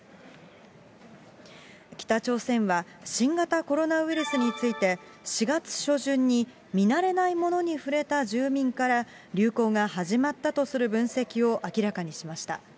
北朝鮮は、新型コロナウイルスについて、４月初旬に見慣れないものに触れた住民から、流行が始まったとする分析を明らかにしました。